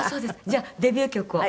じゃあデビュー曲を。